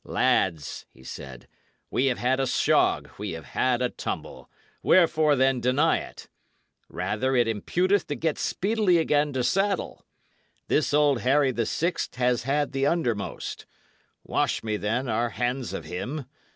"Lads," he said, "we have had a shog, we have had a tumble; wherefore, then, deny it? Rather it imputeth to get speedily again to saddle. This old Harry the Sixt has had the undermost. Wash we, then, our hands of him.